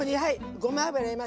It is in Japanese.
ごま油入れます。